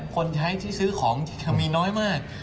คนใช้ที่ซื้อของมีน้อยมาก